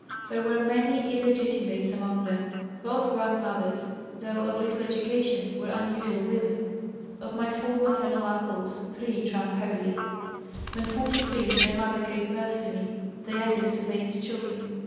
There were many illegitimates among them. Both grandmothers, though of little education, were unusual women. Of my four maternal uncles, three drank heavily. "When 43, my mother gave birth to me, the youngest of 8 children.